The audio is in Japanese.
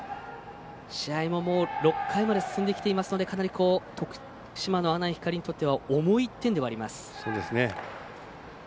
試合も６回まで進んできていますのでかなり、徳島の阿南光にとっては重い１点ではあります。